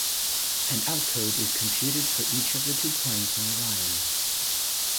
An outcode is computed for each of the two points in the line.